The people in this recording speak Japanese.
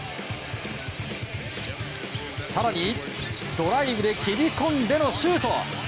更に、ドライブで切り込んでのシュート！